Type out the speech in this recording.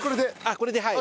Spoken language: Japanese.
これではい。